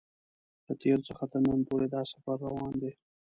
له تېر څخه تر نن پورې دا سفر روان دی.